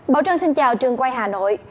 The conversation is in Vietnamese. bảo trân xin chào trường quay hà nội